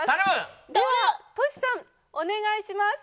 ではトシさんお願いします。